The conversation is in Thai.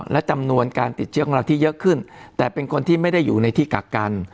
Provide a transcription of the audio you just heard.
และจำนวนการติดเชื้อของเราที่เยอะขึ้นแต่เป็นคนที่ไม่ได้อยู่ในที่กักกัน